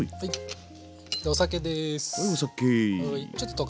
お酒です。